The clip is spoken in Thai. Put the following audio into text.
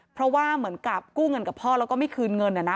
เพราะว่าเหมือนกับกู้เงินกับพ่อแล้วก็ไม่คืนเงินนะ